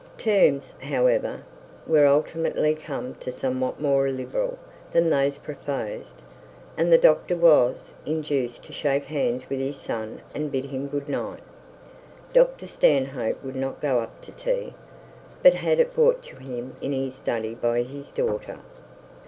Terms, however, were ultimately come to, somewhat more liberal than those proposed, and the doctor was induced to shake hands with his son, and bid him good night. Dr Stanhope would not go up to tea, but had it brought to him in his study by his daughter.